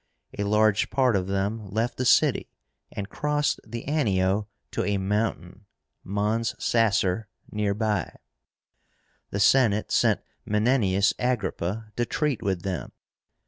A large part of them left the city, and crossed the Anio to a mountain (Mons Sacer) near by. The Senate sent MENENIUS AGRIPPA to treat with them.